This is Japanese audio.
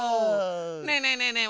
ねえねえねえねえ